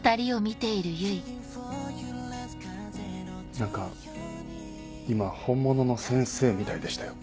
何か今本物の先生みたいでしたよ。